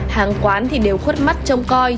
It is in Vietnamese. hàng quán thì đều khuất mắt trong coi